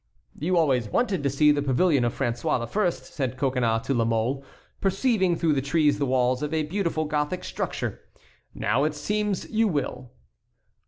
"You always wanted to see the pavilion of François I.," said Coconnas to La Mole, perceiving through the trees the walls of a beautiful Gothic structure; "now it seems you will."